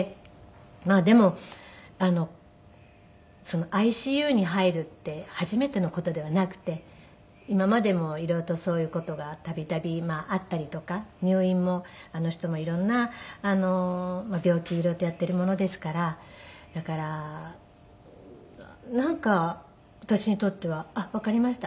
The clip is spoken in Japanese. でもＩＣＵに入るって初めての事ではなくて今までも色々とそういう事が度々あったりとか入院もあの人も色んな病気色々とやっているものですからだからなんか私にとっては「あっわかりました。